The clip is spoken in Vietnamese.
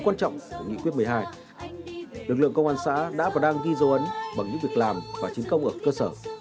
quan trọng của nghị quyết một mươi hai lực lượng công an xã đã và đang ghi dấu ấn bằng những việc làm và chiến công ở cơ sở